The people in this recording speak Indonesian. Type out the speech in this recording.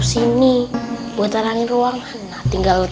kamu itu kalau waktunya tidur